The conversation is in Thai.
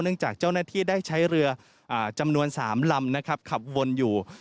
เนื่องจากเจ้าหน้าที่ได้ใช้เรือจำนวน๓ลำขับวนอยู่